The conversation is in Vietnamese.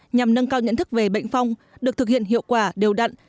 nhằm nâng cao nhận thức về bệnh phong được thực hiện hiệu quả đều đặn